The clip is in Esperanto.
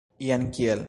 Jen kiel?